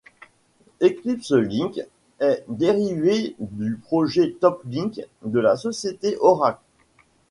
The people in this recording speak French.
EclipseLink est dérivé du projet TopLink de la société Oracle.